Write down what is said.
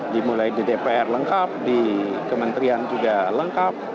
dimulai di dpr lengkap di kementerian juga lengkap